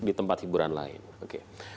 di tempat hiburan lain oke